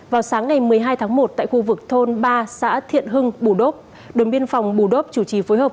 vào sáng ngày một mươi hai tháng một tại khu vực thôn ba xã thiện hưng bù đốc đồn biên phòng bù đốc chủ trì phối hợp